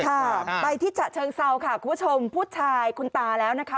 ค่ะไปที่ฉะเชิงเซาค่ะคุณผู้ชมผู้ชายคุณตาแล้วนะคะ